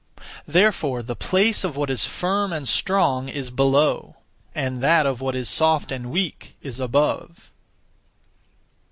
Therefore the place of what is firm and strong is below, and that of what is soft and weak is above.